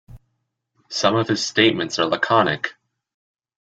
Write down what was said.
Some of his statements are laconic.